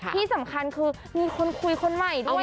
ที่สำคัญคือมีคนคุยคนใหม่ด้วย